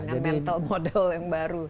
dengan mental model yang baru